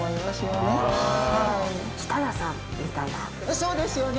そうですよね。